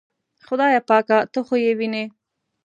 خدایه پاکه ته خو یې وینې.